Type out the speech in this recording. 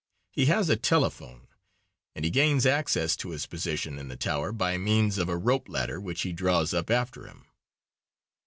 He has a telephone, and he gains access to his position in the tower by means of a rope ladder which he draws up after him.